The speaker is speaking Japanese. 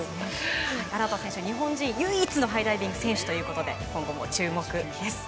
荒田選手、日本人唯一のハイダイビング選手ということで今後も注目です。